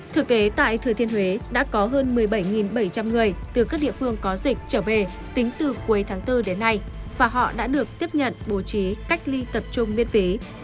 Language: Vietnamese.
thực tế tại thừa thiên huế đã có hơn một mươi bảy bảy trăm linh người từ các địa phương có dịch trở về tính từ cuối tháng bốn đến nay và họ đã được tiếp nhận bố trí cách ly tập trung miễn phí